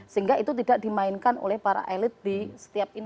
sehingga itu tidak dimainkan oleh para elit di setiap